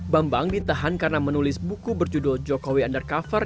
bambang ditahan karena menulis buku berjudul jokowi undercover